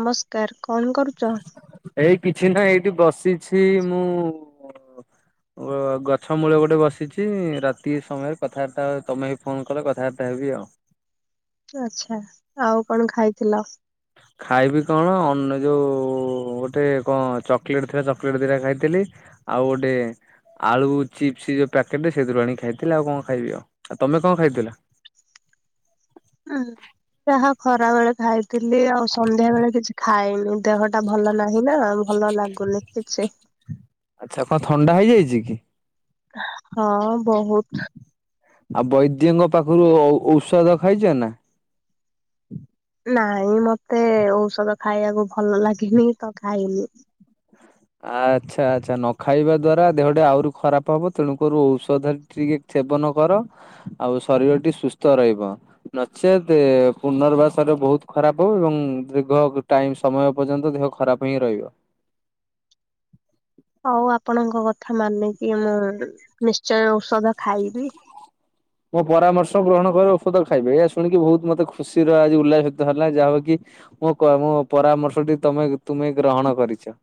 ନମସ୍କାର କଣ କରୁଚ? ଏଇ କିଛି ନା ଏଇଠି ବସିଛି ମୁଁ [inaudible] ଗଛ ମୂଳ ଗୋଟେ ବସିଛି ରାତି ସମୟରେ କଥାବାର୍ତ୍ତା ତମେ ହ ଫୋନ କଲେ କଥାବାର୍ତ୍ତା ହେବି ଆଉ। ଆଚ୍ଛା ଆଉ କଣ ଖାଇଥିଲ? ଖାଇବି କଣ ଅନ ଯୋଉ ଗୋଟେ କଣ ଚକୋଲେଟ୍ ଥିଲା ଚକୋଲେଟ୍ ଦିଟା ଖାଇଥିଲି। ଆଉ ଗୋଟେ ଆଳୁ ଚିପସ୍ ଯୋଉ ପ୍ୟାକେଟ ସେଇଥିରୁ ଆଣିିକ ଖାଇଥିଲି ଆଉ କଣ ଖାଇବି ଆଉ। ଆଉ ତୋମେ କଣ ଖାଇଥିଲ? ଓହୋ। ଯାହା ଖରା ବେଳେ ଖାଇଥିଲି। ଆଉ ସନ୍ଧ୍ୟା ବେଳେ କିଛି ଖାଇନି। ଦେହ ଟା ଭଲ ନାହିଁ ନା। ଭଲ ଲାଗୁନି କିିଛି। ଆଚ୍ଛା କଣ ଥଣ୍ଡା ହେଇଯାଇଛି କି? ହଁ ବହୁତ। ଆଉ ବୈଦ୍ୟଙ୍କ ପାଖରୁ ଔ ଔଷଧ ଖାଇଚ ନା? ନାଇଁ ମୋତେ ଔଷଧ ଖାଇବାକୁ ଭଲ ଲାଗେନି ତ ଖାଇନି। ଆଚ୍ଛା, ଆଚ୍ଛା ନ ଖାଇବା ଦ୍ଵାରା ଦେହଟା ଆଉରୁ ଖରାପ ହବ। ତେଣୁ କରୁ ଔଷଧ ଟିକିଏ ସେବନ କର ଆଉ ଶରୀରଟି ସୁସ୍ଥ ରହିବ। ନଚେତେ ପୁନର୍ବାସରେ ବହୁତ ଖରାପ ହବ ଏବଂ ଦୀର୍ଘ ଟାଇମ୍ ସମୟ ପର୍ଯ୍ୟନ୍ତ ଦେହ ଖରାପ ହିଁ ରହିବ। ହଉ ଆପଣଙ୍କ କଥା ମାନିକି ମୁଁ ନିଶ୍ଚୟ ଔଷଧ ଖାଇବି। ମୋ ପରାମର୍ଶ ଗ୍ରହଣ କର ଔଷଧ ଖାଇବେ। ଏହା ଶୁଣିକି ବହୁତ ମୋତେ ଖୁସିର ଆଜି ଉଲ୍ଲାସିତ ହେଲା ଯାହା ହଉ କି ମଁ କ- ମୁଁ ପରାମର୍ଶଟି ତୋମେ ତୁମେ ଗ୍ରହଣ କରିଛ।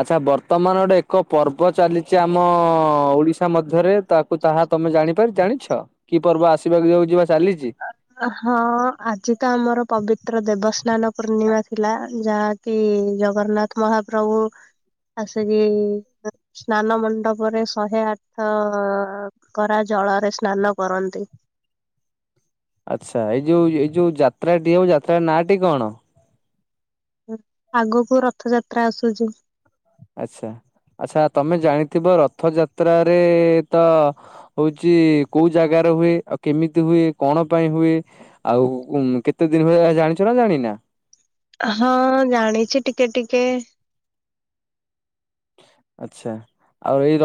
ଆଚ୍ଛା ବର୍ତ୍ତମାନ ଗୋଟେ ଏକ ପର୍ବ ଚାଲିଚି ଆମ ଓଡିଶା ମଧ୍ୟରେ ତାକୁ ତାହା ତୋମେ ଜାଣିପାରି ଜାଣିଛ କି ପର୍ବ ଆସିବାକୁ ଯାଉ ଯିବା ହଁ ଆଜି ତ ଆମର ପବିତ୍ର ଦେବସ୍ନାନ ପୂର୍ଣ୍ଣିମା ଥିଲା। ଯାହାକି ଜଗନ୍ନାଥ ମହାପ୍ରଭୁ ଆସିକି ସ୍ନାନ ମଣ୍ଡପରେ ଶହେ ଆଠ କରା ଜ ଜଳରେ ସ୍ନାନ କରନ୍ତି। ଆଚ୍ଛା ଏଇ ଯୋଉ ଏଇ ଯୋଉ ଯାତ୍ରାଟି ଆଉ ଯାତ୍ରା ନାଁଟି କଣ? ଆଗକୁ ରଥଯାତ୍ରା ଆସୁଛି। ଆଚ୍ଛା। ଆଚ୍ଛା ତୋମେ ଜାଣିଥିବ ରଥ ଯାତ୍ରାରେ ତ ହଉଚି କୋଉ ଜାଗା ହୁଏ। ଆଉ କେମିତି ହୁଏ? କଣ ପାଇଁ ହୁଏ? ଆଉ ଉଁ, କେତେ ଦିନ ହୁଏ? ଏହା ଜାଣିଛ ନା ଜାଣିନା? ହଁ ଜାଣିଛି ଟିକିଏ ଟିକିଏ। ଆଚ୍ଛା। ଆଉ ଏଇ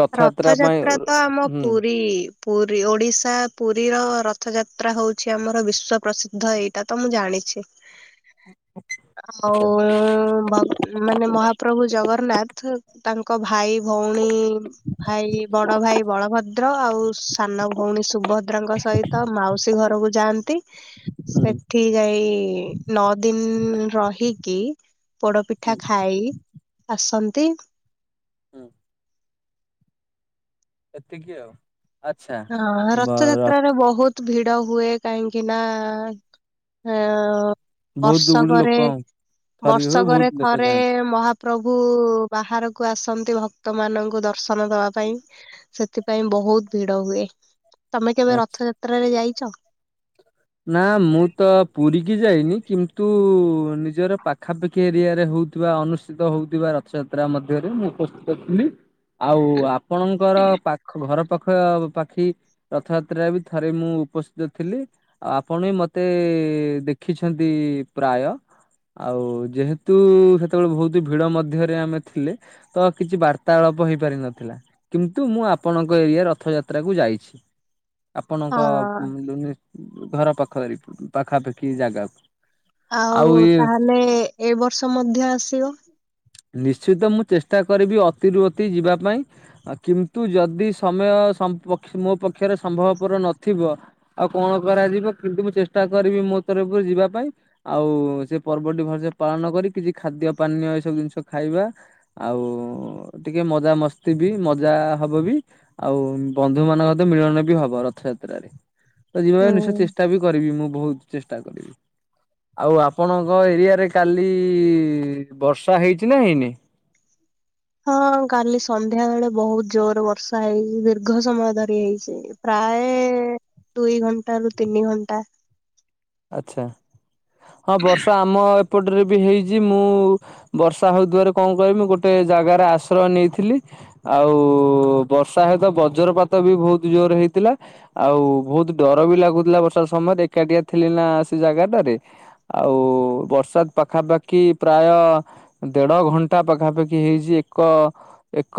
ପାଇଁ ରଥଯାତ୍ରା ତ ଆମ ହୁଁ ପୁରୀ ପୁରୀ ଓଡିଶା ପୁରୀର ରଥଯାତ୍ରା ହଉଛି ଆମର ବିଶ୍ୱ ପ୍ରସିଦ୍ଧ ଏଇଟା ତ ମୁଁ ଜାଣିଛି। ଆଉ ଆଚ୍ଛା ଉଁ, ଭ-ମାନେ ମହାପ୍ରଭୁ ଜଗରନ୍ନାଥ ତାଙ୍କ ଭାଇ ଭଉଣୀ ଭାଇ ବଡ ଭାଇ ବଳଭଦ୍ର ଆଉ ସାନ ଭଉଣୀ ସୁଭଦ୍ରାଙ୍କ ସହିତ ମାଉସୀ ଘ ଘରକୁ ଯାଆନ୍ତି। ହୁଁ ସେଠି ଯାଇ ନଅ ଦିନ ରହିକି ପୋଡପିଠା ହୁଁ ଖାଇ ଆସନ୍ତି। ହୁଁ। ଏତିକି ଆଉ। ଆଚ୍ଛା ହଁ ରଥଯାତ୍ର ର ବହୁତ ଭିଡ ହୁଏ। କାହିଁକି ନା ହଁ ବହୁତ ଗୁଡେ ବର୍ଷକରେ ଲୋକ ଥରିକ ହୁଏ ବହୁତ ବର୍ଷକରେ ଲୋକ ଥରେ ଯାଆନ୍ତି ମହା ପ୍ରଭୁ ବାହାରକୁ ଆସନ୍ତି ଭକ୍ତ ମାନଙ୍କୁ ଦର୍ଶନ ଦବା ପାଇଁ। ସେଥିପାଇଁ ବହୁତ ଭିଡ ଡ ହୁଏ। ତୋମେ କେବେ ଆଚ୍ଛା। ରଥଯାତ୍ରାରେ ଯାଇଚ? ନା ମୁଁ ତ ପୁରୀ କି ଯାଇନି କିନ୍ତୁ ନିଜର ପାଖାପାଖି ଏରିଆରେ ହଉଥିବା, ଅନୁଷ୍ଠିତ ହେଉଥିବା ରଥଯାତ ତ୍ରା ମଧ୍ୟରେ ମୁଁ ଉପସ୍ଥିତ ଥିଲି ଆଉ ଆପଣଙ୍କର ପାଖ ଘର ପାଖ ପାଖ ପାଖି ରଥଯାତ୍ରା ବି ଥରେ ମୁଁ ଉପସ୍ଥିତ ଥିଲି ଆପଣ ମତେ ଦେଖିଛନ୍ତି ପ୍ରାୟ ଆଉ ଯେହେତୁ ସେତେବେଳେ ବହୁତ ଭିଡ ମଧ୍ୟରେ ଆମେ ଥିଲେ ତ କିଛି ବାର୍ତାଳାପ ହୋଇପାରିନ ଥିଲା, କିନ୍ତୁ ମୁଁ ଆପଣଙ୍କ ଏରିଆ ରଥଯାତ୍ରାକୁୁ ଯାଇଛି ଆପଣଙ୍କ ହଁ ଘର ପାଖରେ ପାଖାପାଖି ଜାଗାକୁ। ଆଉ ତାହେଲେ ଏ ବର୍ଷ ମଧ୍ୟ ଆସିବ? ନିଶ୍ଚିତ ମୁଁ ଚେଷ୍ଟା କରିବି, ଅତିରୁ ଅତି ଯିବା ପାଇଁ କିନ୍ତୁ ଯଦି ସମୟ ସୋମ ପକ୍ଷ ମୋ ପକ୍ଷରେ ସମ୍ଭବପର ନଥିବ, ଆଉ କଣ କରାଯିବ କିନ୍ତୁ ମୁଁ ଚେଷ୍ଟା କରିବି ମୋ ତରଫରୁ ଯିବା ପାଇଁ ଆଉ ସେ ପର୍ବଟି ଭଲସେ ପାଳନ କରି କିଛି ଖାଦ୍ୟ ପାନୀୟ ଏସବୁ ଜିନିଷ ଖାଇବା ଆଉ ଟିକେ ମଜା ମସ୍ତି ବି ମଜା ହବ ବି ଆଉ ବନ୍ଧୁ ମାନଙ୍କ ତ ମିଳନ ବି ହବ ରଥଯାତ୍ରାରେ ତ ଯିବା ନିଶ୍ଚୟ ହୁଁ ଚେଷ୍ଟା ବି କରିବି ମୁଁ ବହୁତ ଚେଷ୍ଟା କରିବି। ଆଉ ଆପଣଙ୍କ ଏରିଆରେ କାଲି ବର୍ଷା ହେଇଛି ନା ହେଇନି? ହଁ କାଲି ସନ୍ଧ୍ୟା ବେଳେ ବହୁତ ଜୋର ବର୍ଷା ହେଇଛି ଦୀର୍ଘ ସମୟ ଧରି ହେଇଛି ପ୍ରାୟ ପ୍ରାୟ ଦୁଇ ଘଣ୍ଟା ରୁ ତିନି ଘଣ୍ଟା ଆଛା ହଁ ବର୍ଷା ଆମ ଏପଟରେ ବି ହେଇଛି, ମୁଁ ବର୍ଷା ହେଉଥିବାରେ କଣ କହମି ଗୋଟେ ଜାଗାରେ ଆଶ୍ରୟ ନେଇଥିଲି ଆଉ ବର୍ଷା ହତ ବଜ୍ରପାତ ବି ବହୁତ ଜୋରରେ ହେଇଥିଲା ଆଉ ବହୁତ ଡର ବି ଲାଗୁଥିଲା ବର୍ଷା ସମୟରେ ଏକାଟିଆ ଥ୍ରଲ ନା ସେ ଜାଗାଟାରେ ଆଉ ବର୍ଷା ପାଖାପାଖି ପ୍ରାୟ ଦେଢ ଘଣ୍ଟା ପାଖାପାଖି ହେଇଛି, ଏକ ଏକ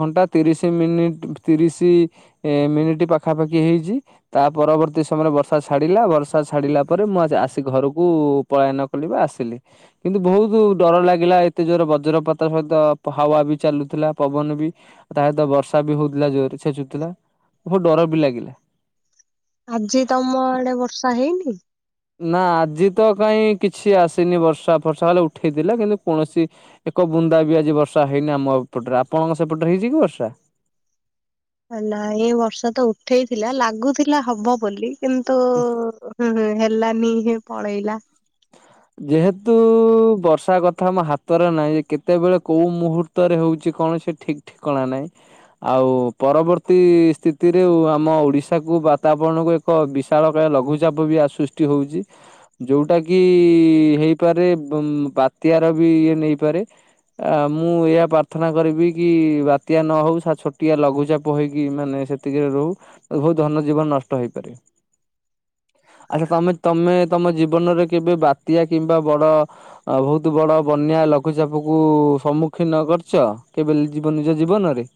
ଘଣ୍ଟା ତିରିଶ ମିନିଟ ଭି ଶି ମିନିଟ ପାଖାପାଖି ହେଇଛି ତା ପରବର୍ତ୍ତୀ ସମୟରେ ବର୍ଷା ଛାଡ଼ିଲା। ଛାଡିଲା ପରେ ମୁଁ ଆସି ଘରକୁ ପଳାୟନ କଲି ବା ଆସିଲି, କିନ୍ତୁ ବହୁତ ଡର ଲାଗିଲା ଏତେ ଜୋର ବଜ୍ରପାତ ସହିତ ହାୱା ବି ଚାଲୁଥିଲା, ପବନ ବି ତା ସହିତ ବର୍ଷା ବି ହଉଥିଲା ଥିଲା ବହୁତ ଡର ବି ଲାଗିଲା। ଆଜି ତମ ଆଡେ ବର୍ଷା ହେଇନି? ନା ଆଜି ତ କାହିଁ କିଛି ଆସିନି ବର୍ଷା ଫର୍ଷା ହେଲେ ଉଠେଇଥିଲା, କିନ୍ତୁ କୌଣସି ଏକ ବୁନ୍ଦା ବି ଆଜି ବର୍ଷା ହେଇନି, ଆମ ଏପଟରେ ଆପଣଙ୍କ ସେପଟରେ ହେଇଛି କି ବର୍ଷା? ହେଲା ଏଇ ବର୍ଷା ତ ଉଠେଇଥିଲା ଲାଗୁଥିଲା ହବ ବୋଲି କିନ୍ତୁ ହ ହେଲାନି ହିଁ ପଳେଇଲା। ଯେହେତୁ ବର୍ଷା କଥା ଆମ ହାତରେ ନାହିଁ କେତେବେଳେ କୋଉ ମୁହୂର୍ତ୍ତରେ ହେଉଛି କଣ ସେ ଠିକ ଠିକଣା ନାହିଁ, ଆଉ ପରବର୍ତ୍ତୀ ସ୍ଥିତିରେ ଆମ ଓଡିଶାକୁ ବାତାବରଣ କୁ ଏକ ବିଶାଳ ଲଘୁଚାପ ବି ସୃଷ୍ଟି ହଉଛି ଯୋଉଟା କି ହେଇପାରେ ବାତ୍ୟା ର ବି ନେଇପାରେ ଆ ମୁଁ ଏହା ପ୍ରାର୍ଥନା କରିବି କି ବାତ୍ୟା ନ ହଉ ଛୋଟିଆ, ଲଘୁଚାପ ହେଇକି ମାନେ ସେତିକିରେ ରହୁ ବହୁତ ଧନ ଜୀବନ ନଷ୍ଟ ହେଇପାରେ। [inaudible] ଆଚ୍ଛା ତମେ ତମେ ତମ ଜୀବନରେ କେବେ ବାତ୍ୟା କିମ୍ବା ବଡ ବହୁତ ବଡ ବନ୍ୟା ଲଘୁଚାପ କୁ ସମ୍ମୁଖୀନ କରିଛ କେବେ ନିଜ ଜୀବ ନିଜ ଜୀବନରେ?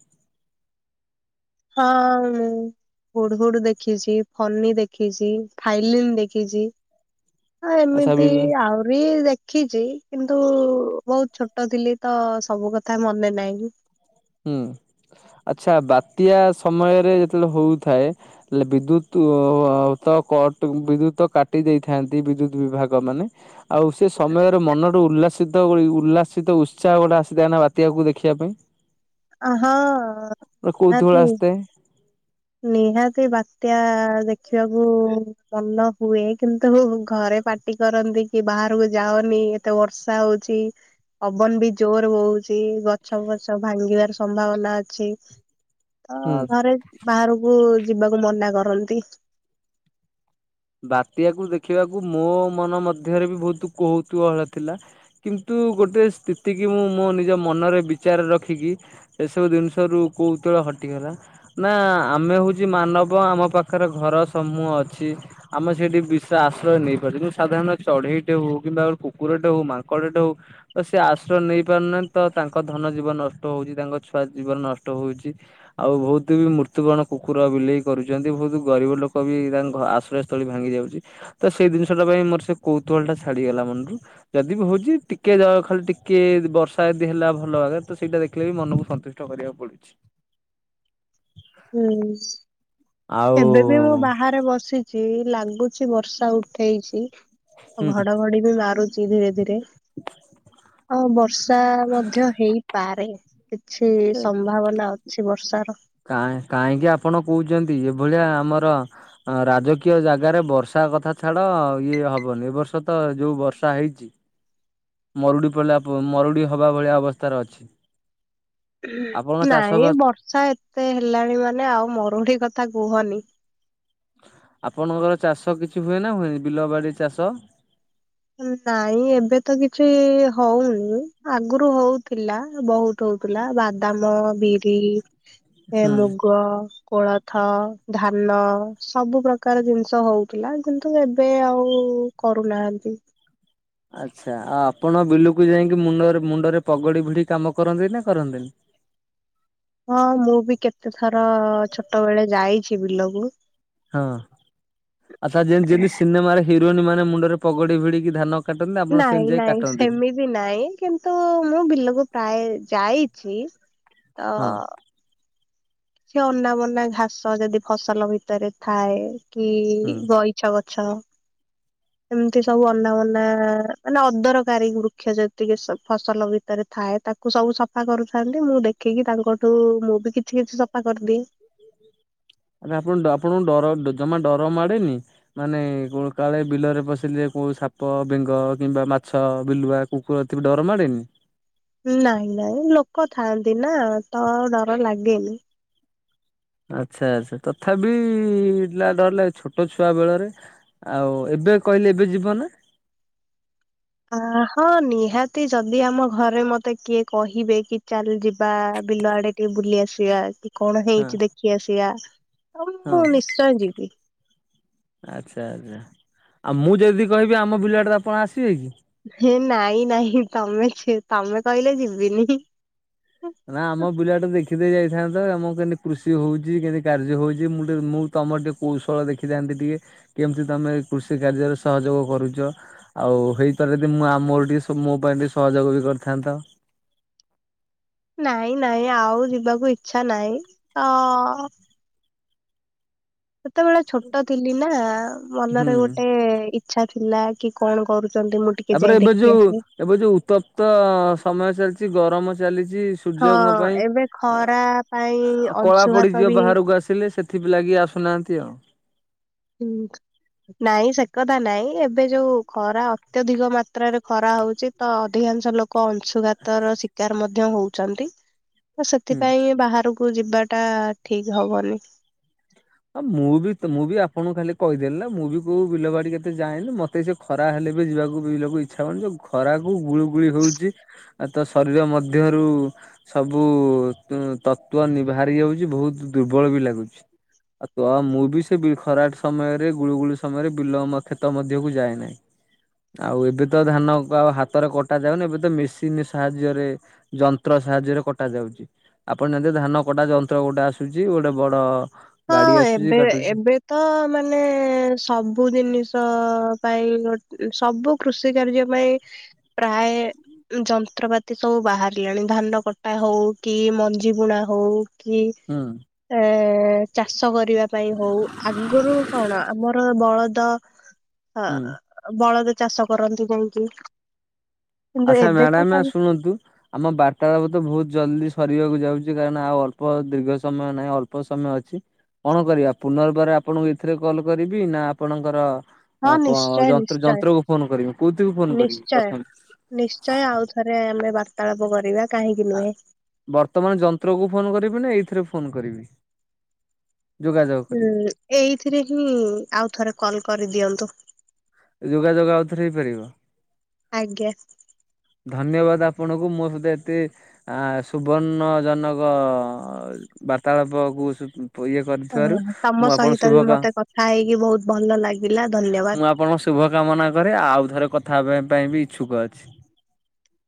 ହଁ, ମୁଁ ହୁଡ଼ହୁଡ଼ ଦେଖିଛି, ଫନି ଦେଖିଛି ଥାଇଲିନ୍ ଦେଖିଛି ହଁ ଆଚ୍ଛା ବି ଏମିତି ଆହୁରି ଦେଖିଛି କିନ୍ତୁ ବହୁତ ଛୋଟ ଥିଲି ତ ସବୁ କଥା ମନେ ନାହିଁ। ହୁଁ। ଆଚ୍ଛା ବାତ୍ୟା ସମୟରେ ଯେତେବେଳେ ହଉଥାଏ, ହେଲେ ବିଦ୍ୟୁତ୍ ତ କଟ୍ ବିଦ୍ୟୁତ କାଟି ଦେଇଥାନ୍ତି ବିଦ୍ୟୁତ ବିଭାଗ ମାନେ ଆଉ ସେ ସମୟରେ ମନଠୁ ଉଲ୍ଲାସ ସିତ ଗୋ ଉଲ୍ଲାସିତ ଉତ୍ସାହ ଗୋଟେ ଆସିଥାଏ ନା ବାତ୍ୟାକୁ ଦେଖିବା ପାଇଁ ହଁ କୋଉତୁହଳ ନିହାତି ଆସିଥାଏ ନିହାତି ବାତ୍ୟା ଦେଖ ଦେଖିବାକୁ ଭଲ ହୁଏ କିନ୍ତୁ ଘରେ ପାଟି କରନ୍ତି କି ବାହାରକୁ ଯାାଅନି ଏତେ ବର୍ଷା ହଉଛି ପବନ ବି ଜୋର ହଉଛି ଗଛ ଫଛ ଭାଙ୍ଗିବା ସମ୍ଭାବନା ଅଛି ତ ହୁଁ। ଘରେ ବାହାରକୁ ଯିବାକୁ ମନା କରନ୍ତି। ବାତ୍ୟାକୁ ଦେଖିବାକୁ ମୋ ମନ ମଧ୍ୟରେ ବି ବହୁତ କୌତୁହଳ ଥିଲା। କିନ୍ତୁ ମୁଁ ଗୋଟେ ସ୍ଥିତି କି ମୁଁ ମୋ ନିଜ ମନରେ ବିଚାର ରଖିକି ଏସବୁ ଜିନିଷରୁ କୌତୁହ ଅ ହଟିଗଲା ନା ଆମେ ହଉଛି ମାନବ ଆମ ପାଖରେ ଘର ସମୂହ ଅଛି ଆମେ ସେଇଠି ବି ଆଶ୍ରୟ ନେଇପାରୁଛ କିନ୍ତୁ ସାଧାରଣତଃ ଚଢେଇଟେ ହଉ କିମ୍ବା କୁକୁରଟେ ହଉ ମାଙ୍କଡଟେ ହଉ ତ ସେ ଆଶ୍ରୟ ନେଇ ପାରୁନାହାନ୍ତି ତ ତାଙ୍କ ଧନ ଜୀବନ ନଷ୍ଟ ହଉଛି ତାଙ୍କ ଛୁଆ ଜୀବନ ନଷ୍ଟ ହଉଛି ଆଉ ବହୁତ ବି ମୃତ୍ୟୁ ବରଣ କୁକୁର ବିଲେଇ କରୁଛନ୍ତି। ବହୁତ ଗରିବ ଲୋକ ବି ତାଙ୍କ ଆଶ୍ରୟ ସ ତ ବି ଭାଙ୍ଗି ଯାଉଛି ତ ସେଇ ଜିନିଷଟା ପାଇଁ ମୋର ସେ କୌତୁହଳ ଟା ଛାଡିଗଲା ମନରୁ ଯଦି ବି ହଉଛି ଟିକେ ଟିକେ ଜ ଖାଲି ଟିକେ ବର୍ଷା ଯଦି ହେଲା ଭଲ ଭାବରେ ତ ସେଇଟା ଦେଖିଲେ ବି ମନକୁ ସନ୍ତୁଷ୍ଟ କରିବାକୁ ପଡୁଛି। ହୁଁ ଆଉ ଏବେ ବି ମୁଁ ବାହାରେ ବସିଛି। ଲାଗୁଛି ବର୍ଷା ଉଠେଇଛି ଆଉ ହୁଁ ଘଡଘଡି ବି ମାରୁଛି ଧୀରେ ଧୀରେ ହଁ ବର୍ଷା ମଧ୍ୟ ହେଇପାରେ କିଛି ଏ। ସମ୍ଭାବନା ଅଛି ବର୍ଷାର। କାହିଁ କାହିଁକି ଆପଣ କହୁଛନ୍ତି? ଭଳିଆ ଆମର ରାଜକୀୟ ଜାଗାରେ ବର୍ଷା କଥା ଛାଡ ଇଏ ହବନି ଏ ବର୍ଷ ତ ଯୋଉ ବର୍ଷା ହେଇଛି ମରୁଡ଼ି ପଡ଼ିଲା ପ ମରୁଡ଼ି ହେବା ଭଳିଆ ଅବସ୍ଥାରେ ଅଛି। ଆପଣ ଚାଷ ନାଇଁ ବାସ ବର୍ଷା ଏତେ ହେଲାଣି ମାନେ ଆଉ ମରୁଡିି କ ଥା କୁହନି ଆପଣଙ୍କର ଚାଷ କିଛି ହୁଏ ନା ହୁଏନି ବିଲ ବାଡି ଚାଷ? ଉଁ ନାଇଁ ଏବେ ତ କିଛି ହଉନି ଆଗରୁ ହଉଥିଲା ବହୁତ ହଉଥିଲା ବା ବାଦାମ, ବିରି ଏ ମୁଗ କୋଳଥ ଧାନ ସବୁ ପ୍ରକାର ଜିନିଷ ହଉଥିଲା କିନ୍ତୁ ଏବେ ଆଉ ଉ କରୁନାହାନ୍ତି। ଆଚ୍ଛା ଆଉ ଆପଣ ବିଲକୁ ଯାଇକି ମୁଣ୍ଡ ମୁଣ୍ଡରେ ପଗଡି ଭିଡି କାମ କରନ୍ତି ନା କରନ୍ତିନି? ହଁ ମୁଁ ବି କେତେଥର ଛୋଟ ବେଳେ ଯାଇଛି ବିଲକୁ। ହଁ ଆଛା ଜେନ୍ତି ଯେନ୍ତି ସିନେମାରେ ହିରୋଇନ ମାନେ ମୁଣ୍ଡରେ ପଗଡି ଭିଡିକି ଧାନ କାଟନ୍ତି ଆପଣ ନାଇଁ ସେମିତି ଯାଇ ନାଇଁ କାଟନ୍ତିନି? ସେମିତି ନାଇଁ କିନ୍ତୁ ମୁଁ ବିଲକୁ ପ୍ରାୟ ଯାଇଛି ହଁ ଅ କି ଅନା ବନା ଘାସ ଯଦି ଫସଲ ଭିତରେ ଥାଏ କି ହୁଁ। ଗଇଛ ଗ ଛଅ ଏମିତି ସବୁ ଅନାବନା ମାନେ ଅଦରକାରୀ ବୃକ୍ଷ ଯେତିକି ଫସଲ ସ ଭିତରେ ଥାଏ ତାକୁ ସବୁ ସଫା କରୁଥାନ୍ତି ମୁଁ ଦେଖିକି ତାଙ୍କଠୁ ମୁଁ ବି କିଛି କିଛି ସଫା ସଫା କରିଦିଏ। ଆରେ ଆପଣ ଡ ଆପଣଙ୍କୁ ଡର ଜମା ଡର ମାଡେନି ମାନେ କ କାଳେ ବିଲରେ ପଶିଲେ କୋଉ ସାପ ବେଙ୍ଗ କିମ୍ବା ମାଛ ବିଲୁଆ କୁକୁର ଏଥିକୁ ଡର ମାଡ଼େନି? ନାଇଁ ନାଇଁ ଲୋକ ଥାଆନ୍ତି ନା ତ ଡର ଲାଗେନି। ଆଚ୍ଛା ଆଛା ତଥାପି ଡର ଲାଗେ ଛୋଟ ଛୁଆ ବେଳରେ ଆଉ ଏ ଏବେ କହିଲେ ଏବେ ଯିବ ନା? ଆ ହଁ ନିହାତି ଯଦି ଆମ ଘରେ ମତେ କିଏ କହିବେ କି ଚାଲ ଯିବା ବିଲ ଆଡେ ଟିକେ ବୁଲି ଆସିବା କି କଣ ହଁ ହେଇଛି ଦେଖି ଆସିବା। ହଉ ମୁଁ ହଁ ନିଶ୍ଚୟ ଯିବି। ଆଚ୍ଛା ଆଚ୍ଛା। ଆଉ ମୁଁ ଯଦି କହିବି ଆମ ବିଲାଡେ ତ ଆପଣ ଆସିବେ କି? ନାଇଁ ନାଇଁ ତମେ ସେ ତମେ କହିଲେ ଯିବିନି। ନା ଆମ ବିଲା ଟେ ଦେଖିଦେଇ ଯାଇଥାନ୍ତତା। ଆମ କେମିତି କୃଷି ହଉଛି କେମିତି କାର୍ଯ୍ୟ ହଉଛି ମୁଁ ଟିକେ ମୁଁ ତମର ଟିକେ କୌଶଳ ଦେଖିଥାନ୍ତି ଟିକେ। କେମିତି ତମେ କୃଷି କାର୍ଯ୍ୟରେ ସହଯୋଗ କରୁଛ। ଆଉ ହେଇଥାର ଯଦି ମୁଁ ମୋର ଟିକେ ସ ମୋ ପାଇଁ ସେତି ସହଯୋଗ ବି କରିଥାନ୍ତ। [inaudible] ନାଇଁ ନାଇଁ ଆଉ ଯିବାକୁ ଇଚଛା ନାହିଁ। ତ ସେତେବେଳେ ଛୋଟ ଥିଲି ନା ହୁଁ। ମନରେ ଗୋଟେ ଇଚ୍ଛା ଥିଲା କି କଣ କରୁଛି। ତାପରେ ଏବେ ଯୋଉ ଏବେ ଯୋଉ ଉତ୍ତପ୍ତ ସମୟ ଚାଲିଛି ଗରମ ଚାଲିଛି ଛି ସୂର୍ଯ୍ୟଙ୍କ ହଁ ଏବେ ଖରା ପାଇଁ। କଳା ଅଂଶୁଘାତ ପଡିଯିବ ବି ବାହାରକୁ ଆସିଲେ ସେଥିପ ଲାଗି ଆସୁନାହାନ୍ତି ଆଉ। ହୁଁ ନାଇଁ ସେ କଥା ନାଇଁ ଏବେ ଯୋଉ ଖରା ଅତ୍ୟଧିକ ମାତ୍ରାରେ ଖରା ହଉଛି ତ ଅଧିକା ଅଧିକାଂଶ ଲୋକ ଅଂଶୁଘାତ ର ଶିକାର ମଧ୍ୟ ହଉଛନ୍ତି। ତ ହୁଁ। ସେଥିପାଇଁ ବାହାରକୁ ଯିବାଟା ଠିକ ହବନି। ଆ ମୁଁ ବି ମୁଁ ବି ଆପଣଙ୍କୁ ଖାଲି ବେ ଯିବାକୁ ବି ଲୋକ ଇଚ୍ଛା ହ ଯଉ ଘରାକୁ ଗୁଳୁ ଗୁଳି ହଉଛି। ଆ ତ ଶରୀର ମଧ୍ୟରୁ ସବୁ ତତ୍ଵ ନିଭହାରି ଯାଉଛି ବହୁତ ଦୁର୍ବଳ ବି ଲାଗୁଛି। ଆଉ ତ ମୁଁ ବି ସେ ଖରାଟ ସମୟରେ ଗୁଳୁଗୁଳି ସମୟରେ ବିଲ ମମ କ୍ଷେତ ମଧ୍ୟକୁ ଯାଏ ନାହିଁ। ଆଉ ଏବେ ତ ଧାନ ଆଉ ହାତରେ କଟା ଯାଉନି। ଏବେ ତ ମେସିନ ସାହାଯ୍ୟରେ ଯନ୍ତ୍ର ସାହାଯ୍ୟରେ କଟା ଯାଉଛି। ଆପଣ ଯେମି ଧାନ କଟା ଯନ୍ତ୍ର ଗୋଟେ ଆସୁଛି ଗୋଟେ ବଡ ହଁ ଗାଡି ଆସୁଛି ଏବେ କାଟୁଛି। ଏବେ ତ ମାନେ ସବୁ ଜିନିଷ ପାଇଁ ସବୁ କୃଷି କାର୍ଯ୍ୟ ପାଇଁ ପ୍ରାୟ ଯନ୍ତ୍ରପାତି ସବୁ ବାହାରିଲାଣି ଧାନ କଟା ହଉ କି ମଞ୍ଜି ବୁଣା ହଉ। କି ହୁଁ ଆ ଚାଷ କରିବା ପାଇଁ ହଉ। ଆଗରୁ କଣ ଆମର ବଳଦ ହ ହୁଁ ବଳଦ ଚାଷ କରନ୍ତି କାହିଁକି? ଆଚ୍ଛା ମ୍ୟାଡାମ ଶୁଣନ୍ତୁ ଆମ ବାରଟା ଦବ ତ ବହୁତ ଜଲଦି ରିବାକୁ ଯାଉଛି କାହିଁକ ନା ଆଉ ଅଳ୍ପ ଦୀର୍ଘ ସମୟ ନାହିଁ ଅଳ୍ପ ସମୟ ଅଛି। କଣ କରିବା ପୁନର୍ବାର ଆପଣଙ୍କୁ ଏଥିରେ କଲ କରିବି। ନା ଆପଣଙ୍କର ହଁ ଆ ନିଶ୍ଚୟ ଯନ୍ତ ନିଶ୍ଚୟ ଯନ୍ତ୍ରକୁ ଫୋନ କରିବି କୋଉଥିକୁ ଫୋନ କରିବି ନିଶ୍ଚୟ ପ୍ରଥାମ। ନିଶ୍ଚୟ ଆଉ ଥରେ ଆମେ ବାର୍ତ୍ତାଳାପ କରିବା। କାହିଁକି ନୁହେଁ ବର୍ତ୍ତମାନ ଯନ୍ତ୍ରକୁ ଫୋନ କରିବି ନା ଏଇଥିରେ ଫୋନ କରିବି? ଯୋଗାଯୋଗ କରିବି? ହୁଁ ଏଇଥିରେ ହିଁ ଆଉ ଥରେ କଲ କରିଦିଅନ୍ତୁ। ଯୋଗାଯୋଗ ଆଉଥରେ ହେଇପାରିବ। ଆଜ୍ଞା। ଧନ୍ୟବାଦ ଆ ଆପଣଙ୍କୁ ମୋ ସତ ଏତେ ସୁବର୍ଣ୍ଣଜନକ ବାର୍ତ୍ତାଳାପ ବହୁ ଇଏ କରିଥିବାରୁ ହଁ। ତମ ମୁଁ ଆପଣ ସହିତ ବି ଶୁଭ କାମ ମତେ କଥା ହେଇକି ବହୁତ ଭଲ ଲାଗିଲା ଧନ୍ୟବାଦ। ମୁଁ ଆପଣ ସୁ ଶୁଭ କାମନା କରେ ଆଉ ଥରେ କଥା ହେବା ପାଇଁ ବି ଇଚ୍ଛୁକ ଅଛି।